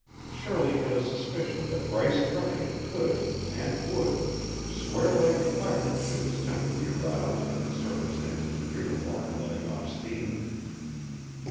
Shirley had a suspicion that Bryce Cardigan could and would swear like a pirate should his temper be aroused and the circumstances appear to warrant letting off steam.